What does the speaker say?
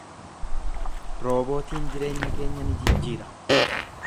Roobootiin jireenya keenya ni jijjiira.